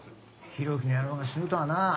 浩喜の野郎が死ぬとはなあ。